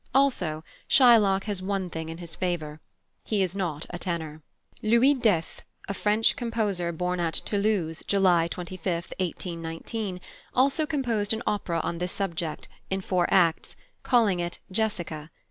Also Shylock has one thing in his favour he is not a tenor. +Louis Deffès+, a French composer, born at Toulouse, July 25, 1819, also composed an opera on this subject, in four acts, calling it Jessica.